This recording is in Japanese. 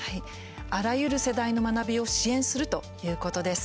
あらゆる世代の学びを支援するということです。